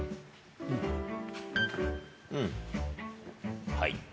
うんはい。